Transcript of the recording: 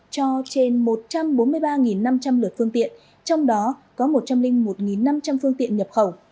cho trên một trăm bốn mươi ba năm trăm linh lượt phương tiện trong đó có một trăm linh một năm trăm linh phương tiện nhập khẩu